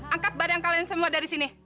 angkat badan kalian semua dari sini